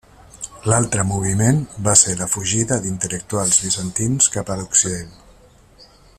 L'altre moviment va ser la fugida d'intel·lectuals bizantins cap a l'Occident.